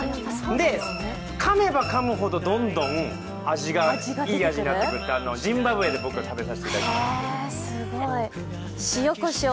で、かめばかむほど、どんどん味がいい味になっていってジンバブエで僕は食べさせていただきました。